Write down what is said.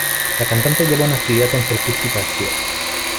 La cantante lleva una actividad concertística activa.